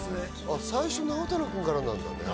最初、直太朗君からなんだね。